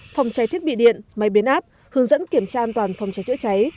phòng cháy thiết bị điện máy biến áp hướng dẫn kiểm tra an toàn phòng cháy chữa cháy